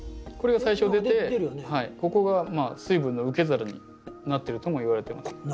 これが最初出てここが水分の受け皿になってるともいわれてます。